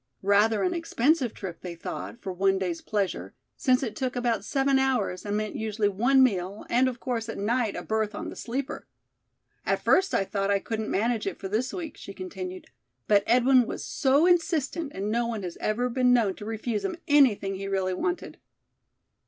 Rather an expensive trip, they thought, for one day's pleasure, since it took about seven hours and meant usually one meal and of course at night a berth on the sleeper. "At first I thought I couldn't manage it for this week," she continued, "but Edwin was so insistent and no one has ever been known to refuse him anything he really wanted."